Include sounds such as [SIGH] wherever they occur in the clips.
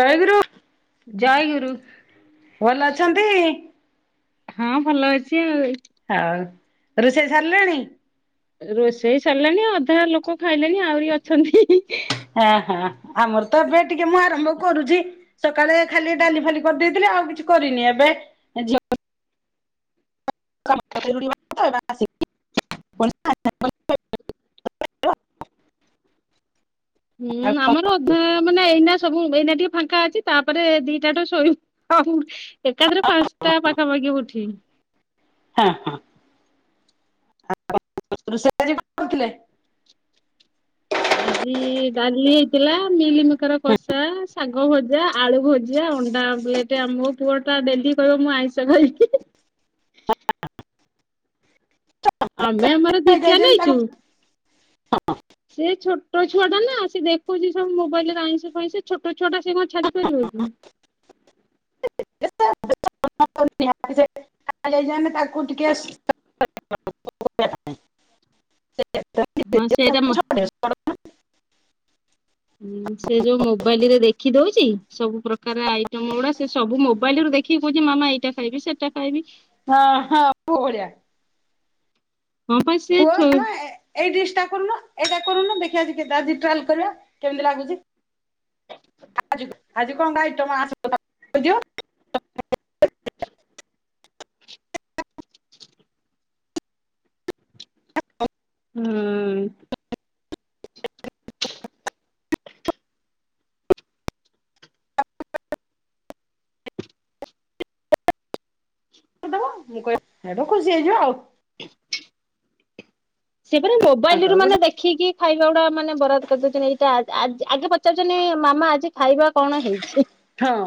ଟାଇଗିରୁ ଜୟ ଗୁରୁ। ଭଲ ଅଛନ୍ତି। ହଁ ଭଲ ଅଛି ଆଉ। ଆଉ ରୋଷେଇ ସାରିଲୁଣି। ରୋଷେଇ ସାରିଲାଣି ଅଧା ଲୋକ ଖାଇଲେଣି ଆହୁରି ଅଛନ୍ତି। ହଁ ହ ଆମର ତ ଏବେ ଟିକେ ମୁଁ ଆରମ୍ଭ କରୁଚି। ସକାଳେ ଖାଲି ଡାଲି ଫାଲି କରିଦେଇଥିଲି ଆଉ କିଛି କରିନି ଏବେ ଝିଅ [UNINTELLIGIBLE] [INAUDIBLE] ହୁଁ ଆମର ଅଧା ମାନେ ଏଇନା ସବୁ ଏଇନା ଟିକେ ଫାଙ୍କା ଅଛି ତାପରେ ଦିଟା ଟୁ ଶୋଇୁବ। ହଁ ଏକାଥରେ ପାଞ୍ଚଟା ପାଖାପାଖି ଉଠିବି। ହଁ ହଁ। ରଷେଇ ଆଜି କଣ କରୁଥିଲେ? ଆଜି ଡାଲି ହେଇଥିଲା ମିଲମିକର କଷା ଶାଗ ଭଜା ଆଳୁ ଭଜା ଅଣ୍ଡା ଆପ୍ଲେଟ ମୋ ପୁଅ ଟା ଡେଲି କହିବ ମୁଁ ଆଇଁଷ ଖାଇବି। ଆମେ ଆମର ଦିକ୍ଷା ତାକୁ ନେଇଚୁ। ସେ ଛୋଟ ଛୁଆ ଟା ନା ସେ ଦେଖୁଛି ସବୁ ମୋବାଇଲି ରେ ଆଇଁସ ଫାଇଁସ ଛୋଟ ଛୁଆଟା ସେ କଣ ଛାଡି ପାରିବ କି? [INAUDIBLE] [UNINTELLIGIBLE] ହଁ ସେଇଟା ମ [UNINTELLIGIBLE] ହୁଁ ସେ ଯୋଉ ମୋବାଇଲ ରେ ଦେଖି ଦଉଛି ସବୁ ପ୍ରକାର ଆଇଟମ ଗୁଡା ସେ ସବୁ ମୋବାଇଲରୁ ଦେଖି କି କଉଁଚି ମାମା ଏଇଟା ଖାଇବି ସେଇଟା ଖାଇବି। ହଁ ହଁ ପୁଅ ଭଳିଆ। ହଁ ପା ସେ ପୁଅ ଛୋ ଝଏ। ଏଇ ଡିଶିଟା କରୁନୁ ଏଇଟା କରୁନୁ ଦେଖିଆ ଆଜି ଟ୍ରାଲ କରିବା କେମିତି ଲାଗୁଚି। ଆଜି କଣ ଖାଇଛ ମା [UNINTELLIGIBLE] ହୁଁ। ଦବ ମୁଁ କଇଲି ହେଠ ଖୁସି ହେଇଯିବ ଆଉ। ସେ ପରା ମୋବାଇଲି ତାଙ୍କର ରୁ ଗୋଟେ ମାନେ ଦେ ଦେଖିକି ଖାଇବା ଗୁଡା ମାନେ ବରବାଦ କରିଦଉଚନ୍ତି ଏଇଟା ଆ ଆଗେ ପଚାରୁଛନ୍ତି ମାମା ଆଜି ଖାଇବା କଣ ହେଇଛି। ହଁ।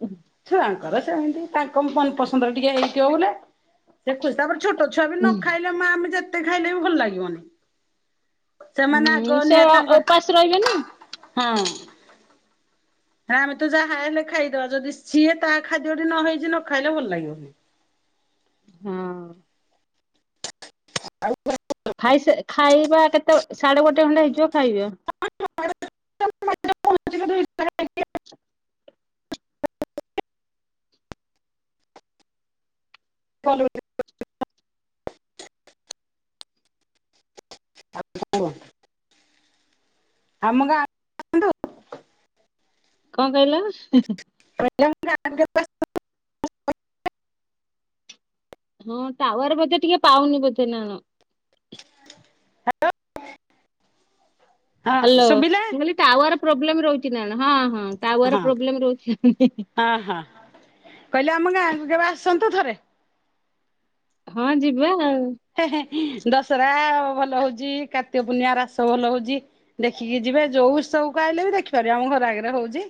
ହ ଛୁଆଙ୍କର ସେମିତି ତାଙ୍କ ମନ ପସ ମଟନ୍‌ଟିକେ ହେଇଥିବ ବୋଲେ ସେ ଖୁସି ତାପରେ ଛୋଟ ଛୁଆ ବି ନ ଖାଇ ଏ ମା ଆମେ ଯେତେ ଖାଇଲେ ବି ଭଲ ଲାଗିବନି। ସେମାନେ ଆଗ ହୁଁ ସେ ନିହାତୀ ଉପାସ ରହିବେ ନା ତାଙ୍କ ହଁ। ନା ଆମେ ତ ଯାହା ହେଲେ ବି ଖାଇଦବା ଯଦି ସିଏ ତାହା ଖାଦ୍ୟ ଟି ନ ହେଇଛି ନ ଖାଇଲେ ଭଲ ଲାଗିବ। ହଁ। ଆଉ [INAUDIBLE] ଖାଇ ଶା ଖାଇବା କେତେ ସାଢ଼େ ଗୋଟେ ଖଣ୍ଡେ ହେଇଯିବ ଖାଇବା। କଲ୍ [INAUDIBLE] ଆ [INAUDIBLE] ଆମ ଗାଁ। କଣ କହିଲେ? [UNINTELLIGIBLE] ହଁ ଟାୱାର ବୋଧେ ଟିକେ ପାଉନି ବୋଧେ ନାଣ। ହ୍ୟା [INAUDIBLE] ଲୋ। ହ୍ୟାଲୋ। ମୁଁ କହିଲି ଟାୱାର ପ୍ରୋବ୍ଲେମ ରହୁଛି ନା ହଁ ହଁ। ହଁ ଟାୱାର ପ୍ରୋବ୍ଲେମ ରହୁଛି। ହଁ [UNINTELLIGIBLE] ହଁ କହିଲେ ଆମ ଗାଁକୁ କେବେ ଆସନ୍ତୁ ଥରେ। ହଁ ଯିବା ଆଉ। ହେଁ ହେଁ ଦଶହରା ଭଲ ହଉଛି, କାର୍ତିକ ପୂର୍ଣ୍ଣିମା ରାସ ଭଲ ହଉଛି। ଦେଖିକି ଯିବେ। ଯୋଉ ଉତ୍ସବକୁ ଆଇଲେ ବି ଦେଖିପାରିବେ। ଆମ ଘର ଆଗରେ ହଉଛି।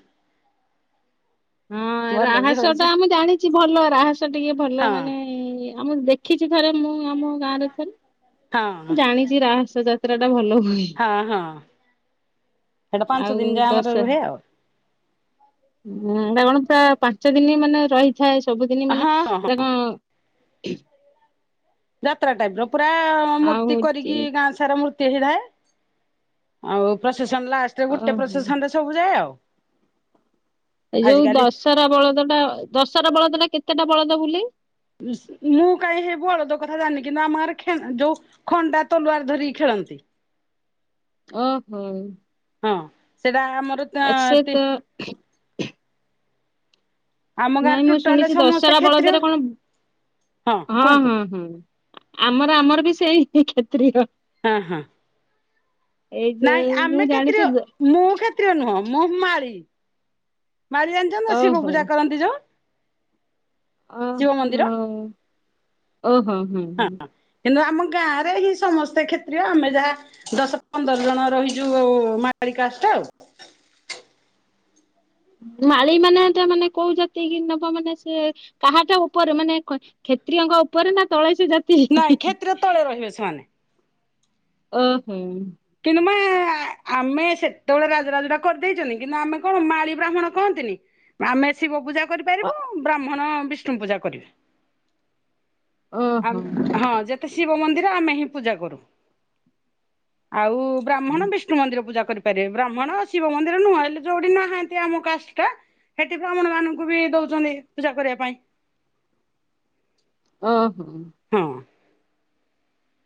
ହଁ ଭଲ ବି ରାହସ ଟା ହଉଛି। ଆମେ ଜାଣିଛି ଭଲ। ରାହସ ଟିକେ ଭଲ ହଁ ମାନେ ଇ ଇ ଆମ ଦେଖିଛି ଥରେ ମୁଁ ଆମ ଗାଁରେ ହଁ ଥରେ ଜାଣିଛି। ଚି ରାହସ ଯାତ୍ରା ଟା ଭଲ ହୁଏ। ହଁ ହଁ ସେଇଟା ପାଞ୍ଚ ଆଉ ଦିନ ଯାଏ ଆମର ରୁହେ ଆଉ। ହୁଁ ଏଇଟା ଗଣତା ପାଞ୍ଚ ଦିନ ମାନେ ରହିଥାଏ ସବୁଦିନ ମାନେ ହଁ ହଁ ତା ହଁ କଣ [UNINTELLIGIBLE] ଯାତ୍ରା ଟାଇପ୍ ର ପୁରା ଆଉ ମୂର୍ତ୍ତି ହଉଛି କରିକି ଗାଁ ସାରା ମୂର୍ତ୍ତି ହେଇଥାଏ। ଆଉ ପ୍ରସେସନ ଲାଷ୍ଟରେ ଗୋଟେ ଓହୋ। ପ୍ରସେସନରେ ସବୁ ଯାଏ ଆଉ। ଏ ଯୋଉ ଆଜିକାଲି ଦଶହରା ବଳଦ ଟା ଦଶହରା ବଳଦ ଟା କେତେଟା ବଳଦ ବୁଲେ? ଉଁ ମୁଁ କାଇହେଁ ବଳଦ କଥା ଜାଣିନି କିନ୍ତୁ ଆମ ଗାଁରେ ଖେନ୍ ଯୋଉ ଖଣ୍ଡା ତଲୁଆର ଧରିକି ଖେଳନ୍ତି। ଓହୋ। ହଁ। ସେଇଟା ଆମର ଆଛା ତି ତ ଆମ ଗାଁରେ ନାଇଁ ମୁଁ ଟୋଟାଲ ଶୁଣିଛି ସମସ୍ତେ ଦଶହରା କ୍ଷତ୍ରୀୟ ବଳଦରେ କଣ ହଁ ହଁ ହଁ। ଆମର ଆମର ବି ସେଇ ହିଂ କ୍ଷତ୍ରୀୟ। ହଁ ହଁ। ନାଇଁ ଯୋଉ ମୁଁ ଆମେ ଜାଣିଛି କ୍ଷେତ୍ରୀୟ। ମୁଁ କ୍ଷେତ୍ରୀୟ ନୁହଁ ମୁଁ ମାଳି ମାଳି ଜାଣି ଯୋ ମୋ ଶିବ ଓହୋ ପୂଜା କରନ୍ତି ଯୋ। ଓ ହୋ ଓହୋ ହୋଁ ହଁ ହୁଁ। କିନ୍ତୁ ଆମ ଗାଁ ରେ ହିଁ ସମସ୍ତେ କ୍ଷେତ୍ରୀୟ ଆମେ ଯାହା ଦଶ ପନ୍ଦର୍ ଜଣ ରହିଚୁ ଉ ମାାଳି କାଷ୍ଟା ଆଉ ମାଳି ମାନେ ଟା ମାନେ କୋଉ ଜାତି କି ନବ ମାନେ ସେ କାହା ଟା ଉପରେ ଖମାନେ ଖ କ୍ଷେତ୍ରୀୟଙ୍କ ଉପରେ ନା ତଳେସେ ଜା ନାଇଁ କ୍ଷେତ୍ର ତଳେ ରହିବେ ସେମାନେ। ଓ ହୁଁ। କିନ୍ତୁ ମା ଆମେ ସେତବେଳେ ରାଜ୍ ରାଜୁଡ଼ା କରି ଦେଇଚନ୍ତି କିନ୍ତୁ ଆମେ କଣ ମାଳି ବ୍ରାହ୍ମଣ କହନ୍ତିନି। ଆମେ ଶିବ ପୂଜା କରିପାରିବୁ। ବ୍ରାହ୍ମଣ ବିଷ୍ଣୁ ପୂଜା କରିବେ। ଆମ୍ ଓହୋ ହଁ ଯେତେ ଶିବ ମନ୍ଦିର ଆମେ ହିଁ ପୂଜା କରୁ। ଆଉ ବ୍ରାହ୍ମଣ ବିଷ୍ ବିଷ୍ଣୁ ମନ୍ଦିର ପୁଜା କରିପାରିବେ। ବ୍ରାହ୍ମଣ ଶିବ ମନ୍ଦିର ନୁହଁ ହେଲେ ଯୋଠି ନାହାନ୍ତି ଆମ କାଷ୍ଟଟା ସେଠି ବ୍ରାହ୍ମୁଣ ମାନଙ୍କୁ ବି ଦଉଚନ୍ତି ପୂଜା କରିବା ପାଇଁ। ଓହୋ। ହଁ।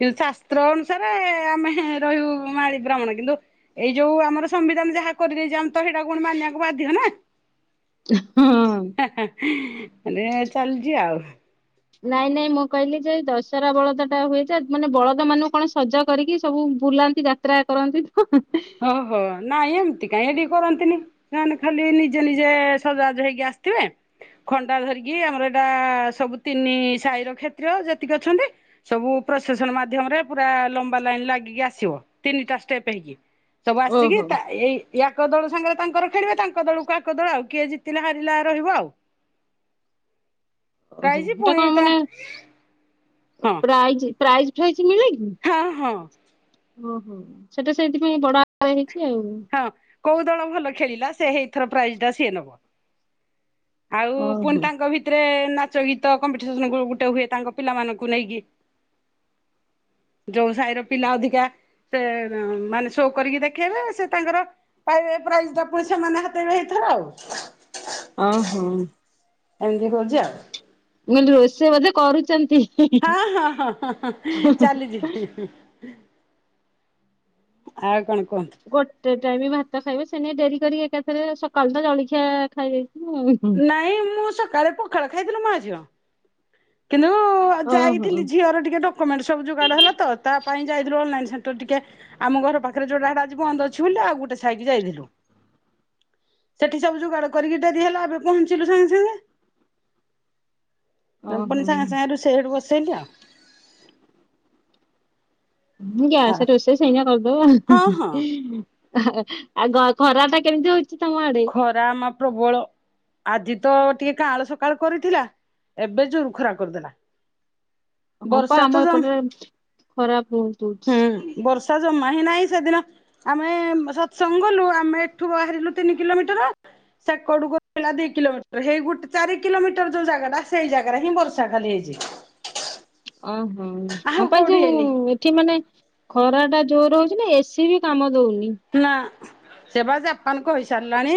କିନ୍ତୁ ଶାସ୍ତ୍ର ଅନୁସାରେ ଆମେ ରହିବୁ ମାଳି ବ୍ରାହ୍ମଣ କିନ୍ତୁ ଏଇ ଯୋଉ ଆମର ସମ୍ବିଧାନ ଯାହା କରିଦେଇଛି ଆମ୍ ତ ସେଇଟା ପୁଣି ମାନିବାକୁ ବାଧ୍ୟ ନାଁ [UNINTELLIGIBLE] ହଁ। ହା ହା ମାନେ ଚାଲ୍ଚି ଆଉ ନାଇଁ ନାଇଁ ମୁଁ କହିଲି ଯେ ଦଶହରା ବଳଦ ଟା ହୁଏ। ଯେ ମାନେ ବଳଦ ମାନଙ୍କୁ କଣ ସଜା କରିକି ସବୁ ବୁଲା ଯାତ୍ରା କରନ୍ତି ତ। ଓହୋ, ନାଇଁ ଏମ୍ତି କାଇଁ ଏଠି କରନ୍ତିନି। ଏମାନେ ଖାଲି ନିଜେ ନିଜେ ସଜ ବାଜ ହେଇକି ଆସିଥିବେ ଖଣ୍ଡା ଧରିକି ଆମର ଏଇଟା ସବୁ ତିନି ସାହିର କ୍ଷେତ୍ରୀୟ ଯେତିକି ଅଛନ୍ତି। ସବୁ ପ୍ରୋସେସନ୍ ମାଧ୍ୟମରେ ପୁରା ଲମ୍ବା ଲାଇନ ଲାଗିକି ଆସିବ। ତିନିଟା ଷ୍ଟେପ୍ ହେଇକି। ସବୁ ଆସିକି ଓହୋ ତା ଏଇ ୟାକ ଏକ ଦଳ ସାଙ୍ଗରେ ତାଙ୍କର ଖେଳିବେ। ତାଙ୍କ ଦଳକୁ ଆକ ଦଳ ଆଉ। କିଏ ଜିତିଲେ ହାରିଲା ରହିବ ଆଉ। ଓହୋ। ପ୍ରାଇଜ ହେଟା ପୁଣି କଣ ତା ମାନେଁ ହଁ ପ୍ରାଇଜ୍ ପ୍ରାଇଜ୍ ଫାଇଜ୍ ମିଳେ କିି? ହଁ, ହଁ। ଓହୋ, ସେଟା ସେଇଥିପାଇଁ ବଡ ଆକାରେ ହେଇଛି ଆଉ। ହଁ, କୋଉ ଦଳ ଭଲ ଖେଳିଲା ସେ ହେଇଥର ପ୍ରାଇଜ୍ ଟା ସିଏ ନବ। ଆଉ ପୁଣି ଓହୋ ତାଙ୍କ ଭିତରେ ନାଚ ଗୀତ କମ୍ପିଟିସନ ଗୁ ଗୁଟେ ହୁଏ ତାଙ୍କ ପିଲାମାନଙ୍କୁ ନେଇକି। ଯୋଉ ସାହି ର ପିଲା ଅଧିକା ସେ ର ମାନେ ସୋ କରିକି ଦେଖେଇବେ ସେ ତାଙ୍କର ପାଇବେ ପ୍ରାଇଜ୍ ଟା ପୁଣି ସେମାନେ ହାତେଇବେ ହେଇଥର ଆଉ ଅଁ, ହଁ। ଏମତି ହଉଚି ଆଉ। ମେନ ରୋଲ ସେ ବୋଧେ କରୁଚନ୍ତି? ହଁ ହଁ ହଁ ହଁଁ ହଁ, ଚାଲି ଯିବି। ଆଉ କଣ କୁହନ୍ତୁ? ଗୋଟେ ଟାଇମି ଭାତ ଖାଇବେ ସେଇ ନାଗି ଡେରି କରିକି ଏକାଥରେ ସକାଳୁ ତ ଜଳିଖିଆ ଖାଇଦେଇଥିନୁ। ନାଇଁ ମୁଁ ସକାଳେ ପଖାଳ ଖାଇଥିଲୁ ମା, ଝିଅ। କିନ୍ତୁ ଆଉ ଯାଇଥିଲି ଝିଅର ଟିକେ ଡକୋମେଣ୍ଟ ସବୁ ଯୋଗାଡେ ହେଲା ତ। ତା ପାଇଁ ଯାଇଥିଲୁ ଅନଲାଇନ ସେଣ୍ଟର ଟିକେ ଆମ ଘର ପାଖରେ ଯୋଉଟା ହେଟା ଆଜି ବନ୍ଦ ଅଛି ବୋଲି, ଆଉ ଗୋଟେ ସାଇକି ଯାଇଥିଲୁ। ସେଠି ସବୁ ଯୁଗାଡ କରିକି ଡରି ହେଲା। ଏବେ ପହଞ୍ଚିଲୁ ସାଙ୍ଗେ ସାଙ୍ଗେ। ତାପରେ ଫୁଣି ଓହୋ ସାଙ୍ଗେ ସାଙ୍ଗେ ରୁଷେଇ ହେଠୁ ବସେଇଲି ଆଉ। ହୁଁ, ଆଉ ଗ୍ୟାସେ ରୋଷେଇ ସେଇନା କରିଦେବ ହଁ ହଁ ଆଉ। ହାଆ ଆ ଗ ଖରା ଟା କେମ୍ତି ହଉଚି ତମ ଆଡେ? ଖରା ଆମ ପ୍ରବଳ ଆଜି ତ ଟିକେ କାଆଁଳ ସକାଳୁ କରିଥିଲା। ଏବେ ଜୁରୁଖରା କରିଦେଲା। ହଁ ପା, ବର୍ଷା ଆମ ତ ଜମ ଏପଟେ ଖରା ବୋହୁତୁ ହଉଛି। ହୁଁ ବର୍ଷା ଜମା ହିଁ ନାହିଁ। ସେଦିନ ଆମେ ସତ୍ସଙ୍ଗ ଗଲୁ। ଆମେ ଏଠୁ ବାହାରିଲୁ ତିନି କିଲୋମିଟର ସେକଡକୁ ହେଲା ଦି କିଲୋମିଟର। ହେଇ ଗୋଟେ ଚାରି କିଲୋମିଟର ଯୋଉ ଜାଗାଟା ସେଇ ଜାଗାରେ ହିଁ ବର୍ଷା ଖାଲି ହେଇଚି। ଅଁ ହଁ, ହଁ ଆଉ ପା କୋଉଠି ଯୋଉ ହେଇନି। ଏଠି ମାନେ ଖରାଟା ଜୋର ହଉଛି ନା ଏସି ବି କାମ ଦଉନି। ନା ସେ ପା ଜାପାନ କହିସାରିଲାଣି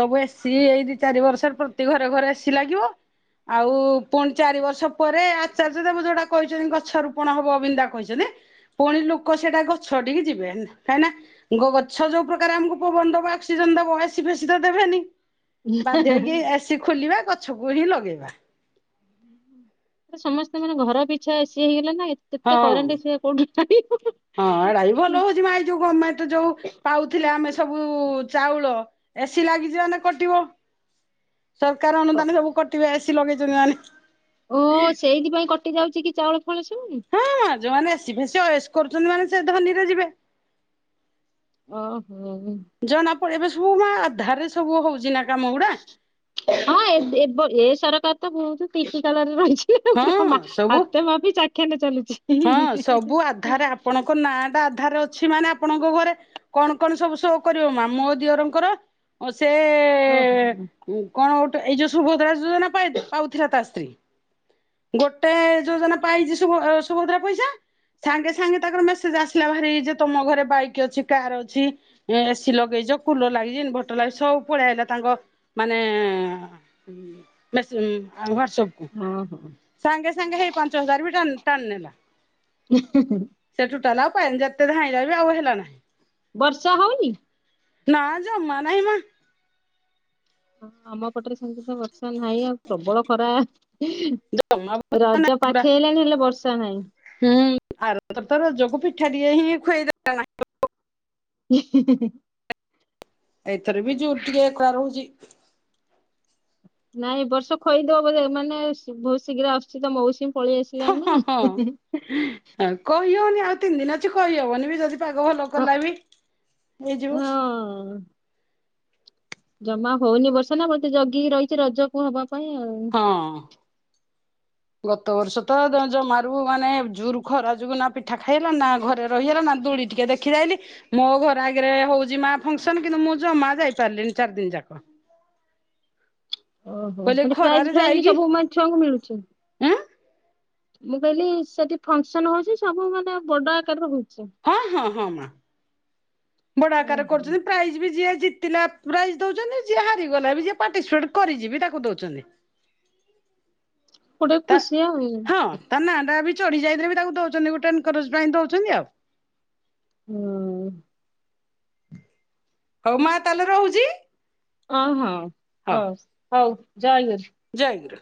ସବୁ ଏସିି ଏଇ ଦି ଚାରି ବର୍ଷରେ ପ୍ରତି ଘରେ ଘରେ ଏସି ଲାଗିବ। ଆଉ ପୁଣି ଚାରି ବର୍ଷ ପରେ ଆଚାର୍ଯ୍ୟ ଦେବ ଯୋଉଟା କହିଛନ୍ତି ଗଛ ରୋପଣ ହବ ବିନ୍ଦା କହିଛନ୍ତି ପୁଣି ଲୋକ ସେଇଟା ଗଛ ଠିକି ଯିବେ। କାହିଁକି ନା ଗଛ ଯେଉଁ ପ୍ରକାର ଆମକୁ ପବନ ଦେବ ଅକ୍ସିଜେନ ଦେବ ଏସି ଫେସି ତ ଦେବେନି। ବାଧ୍ୟହେଇକି ଏସିି ଖୋଲିବା, ଗଛକୁ ହିଁ ଲଗେଇବା। ସମସ୍ତେ ମାନେ ଘର ପିଛା ଏସି ହେଇଗଲା ନା ଏତେ ହଁ। କରେଣ୍ଟ ସେ କୋଉଠି ଆଣିବ? ହଁ ଏଟା ବି ଭଲ ହଉଛି ଭାଇ ଯୋଉ ଗମେଣ୍ଟ ଯୋଉ ପାଉଥିଲେ ଆମେ ସବୁ ଉ ଚାଉଳ ଏସିି ଲାଗିଛି ମାନେ କଟିବ। ସରକାର ଅନୁଦାନ ସବୁ କଟିବେ ଏସି ଲଗେଇଛନ୍ତି ମାନେ। ଓ ହିଁ ସେଇଥିପାଇଁ କଟି ଯାଉଛି କି ଚାଉଳ ଫାଉଳ ସବୁ। ହଁ ଯୋଉମାନେ ଏସି ଫେସୀ ଅୟସ କରୁଛନ୍ତି ମାନେ ସେ ଧନୀରେ ଯିବେ। ଓହୋ। ଜଣା ପଡେ ଏବେ ସବୁ ମା ଆଧାରରେ ସବୁ ହଉଚି ନା କାମ ଗୁଡା। ହଁ ଏ ବ ଏ ସରକାର ତ ବହୁ କ୍ରିଟିକାଲ ରେ ରହିଛି। ହି ହି ହଁ ପୁରା ମା ସବୁ ହାତ ମାପି ଚାଖଣ୍ଡେ ଚାଲୁଚି ହି ହଁ ସବୁ ହି। ଆଧାରରେ ଆପଣଙ୍କ ନାଁ ଟା ଆଧାରରେ ଅଛି ମାନେ ଆପଣଙ୍କ ଘରେ କଣ କଣ ସବୁ ସୋ କରିବ ମା ମୋ ଦିଅରଙ୍କର ଓ ସେ ଓହୋ ଏ କଣ ଗୋଟେ ଏଇ ଯୋଉ ସୁୁଭଦ୍ରା ଯୋଜନା ପାଉଥିଲା ତା ସ୍ତ୍ରୀ। ଗୋଟେ ଯୋଜନା ପାଇଚି ସୁଭଦ୍ରା ପଇସା ସାଙ୍ଗେ ସାଙ୍ଗେ ତାଙ୍କର ମେସେଜ ଆସିଲା ଭାରି ଯେ ତମ ଘରେ ବାଇକ ଅଛି କାର ଅଛି। ଏସି ଲଗେଇଜ କୁଲର ଲାଗିଚି ଇନଭର୍ଟର ଲାଗଜି ସବୁ ପଳେଇଆଇଲା ହେଲା ତାଙ୍କ ମାନେ ଏଁ ମେସେ ହ୍ୱାଟସପକୁ। ହଁ ହଁ। ସାଙ୍ଗେ ସାଙ୍ଗେ ହେଇ ପାଞ୍ଚ ହଜାର ବି ଟାଣି ଟାଣି ନେଲା। ଇଁ ହିଁ ହିଁ। ସେ ଟୁଟାଲା ଆଉ ପାଇନି ଯେତେ ଧାଇଁଲା ବି ଆଉ ହେଲା ନାହିଁ। ବର୍ଷା ହଉନି? ନା ଯମା ନାହିଁ ମା। ହଁ ଆମ ପଟରେ ସେମିତି ତ ବର୍ଷା ନାହିଁ ଆଉ ପ୍ରବଳ ଖରା। ଜମା ରଜ ନାହିଁ ପୁରା ପାଖେଇ ଆଇଲାଣି ହେଲେ ବର୍ଷା ନାହିଁ। ହୁଁ ଆର ତର ତ ରଜକୁ ପିଠାଟିଏ ହିଁ ଖୁଆଇଦେଲାନାହିଁ। ହୁଁ ହୁଁ। ଏଇଥର ବି [UNINTELLIGIBLE] ଏ ଖରା ରହୁଚି। ନାଇଁ ଏବର୍ଷ ଖୋଇଦବ ବୋଧେ ମାନେ ବହୁତ ଶୀଘ୍ର ଆସୁଛି ତ ମଉସୁମି। ପଳେଇ ଆସିଲାଣିନା। ହ କହିହଉନି ଆଉ ତିନି ଦିନ ଅଛି କହିହବନି ଯଦି ପାଗ ଭଲ ହଁ। କଲା ବି ହେଇଯିବ। ହଁ ଜମା ହଉନି ବର୍ଷା ନା ବତେ ଜଗିକି ରହିଛି ରଜକୁ ହବା ପାଇଁ ଆଉ ହଁ। ଗତ ବର୍ଷ ତ ଜମାରୁ ମାନେ ଜୁରୁ ଖରା ଯୋଗୁ ନା ପିଠା ଖାଇଲା ନା ଘରେ ରହିଗଲା ନା ଦୋଳି ଟିକେ ଦେଖ ଦେଖିଦାଇଲି ମୋ ଘର ଆଗରେ ହଉଯି ମା ଫଙ୍କସନ କିନ୍ତୁ ମୁଁ ଯମା ଯାଇ ପାରିଲିନି ଚାରି ଦିନ ଯାକ। ଓହୋ କହିଲେ ହେଠି ଖରାରେ ପ୍ରାଇଜ ଫାଇଜ ଯାଇକି ସବୁ ମ ଛୁଆଙ୍କୁ ମିଳୁଚି। ଉଁ ମୁଁ କହିଲି ସେଠି ଫଙ୍କସନ ହଉଛି ସବୁ ମାନେ ବଡ ଆକାରରେ ହଉଛି। ହଁ ହଁ ହଁ ମା। ବଡ ଆକାର ଓହୋ କରୁଛନ୍ତି ପ୍ରାଇଜ ବି ଯିଏ ଜିତିଲା ପ୍ରାଇଜ ଦଉଛନ୍ତି ଯିଏ ହାରିଗଲା ବି ଯ ପାର୍ଟିସିପେଟ କରିଯି ତାକୁ ଦଉଚନ୍ତି। [INAUDIBLE] ଗୋଟେ ତା ଖୁସି ଆଉ। ହଁ ତା ନା ବି ଚଢି ଯାଇଥିଲେ ବି ତାଙ୍କୁ ଦଉଛନ୍ତି ଗୋଟେ ଏନକାରେଜ ପାଇଁ ଦଉଚନ୍ତି ଆଉ। ହୁଁ ଉଁ। ହଉ ମା ତାହେଲେ ରହୁଯି ଇ। ଅ ହଁ ହଉ ହଉ ଜୟ ଗୁ ଜୟଗୁରୁ।